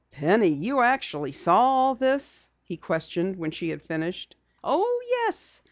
"Penny, you actually saw all this?" he questioned when she had finished. "Oh, yes!